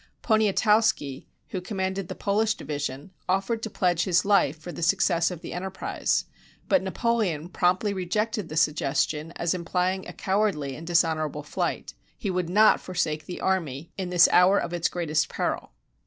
Poniatowski, who commanded the Polish divi sion, offered to pledge his life for the success of the enter prise ; but Napoleon promptly rejected the suggestion as implying a cowardly and dishonorable flight. He would not forsake the army in this hour of its greatest peril.